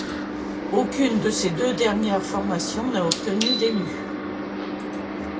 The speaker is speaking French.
Aucune de ces deux dernières formations n'a obtenu d'élu.